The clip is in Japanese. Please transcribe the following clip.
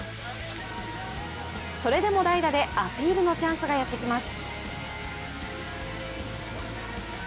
それでも代打でアピールのチャンスがやってきます。